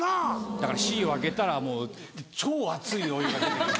だからＣを開けたらもう超熱いお湯が出てきて。